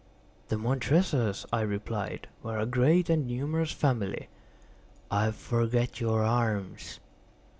"The Montresors," I replied, "were a great and numerous family." "I forget your arms."